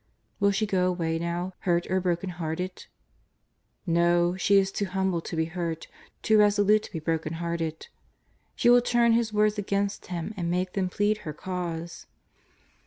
Will she go away now, hurt or brokenhearted ? Xo, she is too humble to be hurt, too resolute to be brokenhearted. She will turn His words against Him and make them plead her cause.